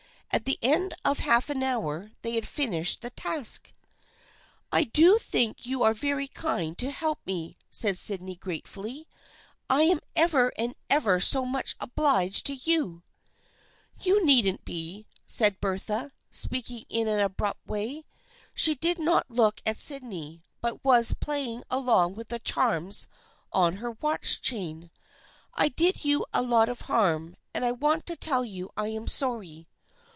At the end of half an hour they had finished the task. " I do think you are very kind to help me/' said Sydney gratefully. " I am ever and ever so much obliged to you." " You needn't be," said Bertha, speaking in an abrupt way. She did not look at Sydney, but was playing with the charms on her watch chain. " I did you a lot of harm, and I want to tell you I am sorry."